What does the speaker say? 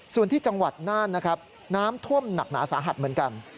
ส่วนที่จังหวัดน่านนะครับน้ำท่วมหนักหนาสาหัสเหมือนกัน